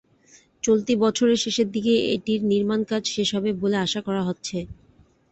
চলতি বছরের শেষের দিকে এটির নির্মাণকাজ শেষ হবে বলে আশা করা হচ্ছে।